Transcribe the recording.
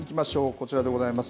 こちらでございます。